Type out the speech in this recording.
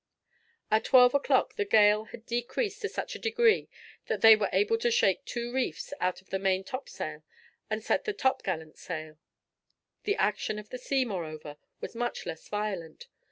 At twelve o'clock the gale had decreased to such a degree that they were able to shake two reefs out of the main topsail and set the topgallant sail. The action of the sea, moreover, was much less violent.